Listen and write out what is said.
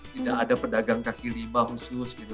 tidak ada pedagang kaki lima khusus gitu